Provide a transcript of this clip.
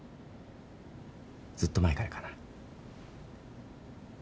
ずっと前からかな？